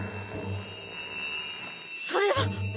それは！